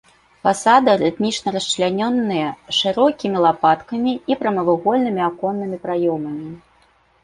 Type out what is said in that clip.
Фасады рытмічна расчлянёныя шырокімі лапаткамі і прамавугольнымі аконнымі праёмамі.